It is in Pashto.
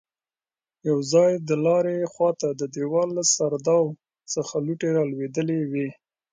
يو ځای د لارې خواته د دېوال له سرداو څخه لوټې رالوېدلې وې.